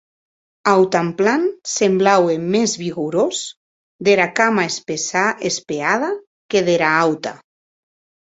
Autanplan semblaue mès vigorós dera cama espeada que dera auta.